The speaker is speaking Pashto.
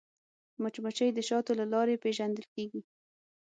مچمچۍ د شاتو له لارې پیژندل کېږي